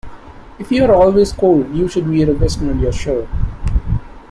If you are always cold, you should wear a vest under your shirt